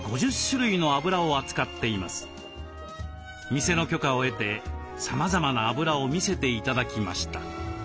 店の許可を得てさまざまなあぶらを見せて頂きました。